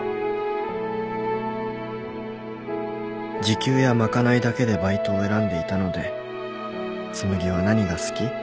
時給や賄いだけでバイトを選んでいたので紬は何が好き？